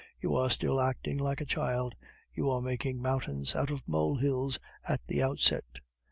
"You are still acting like a child. You are making mountains out of molehills at the outset."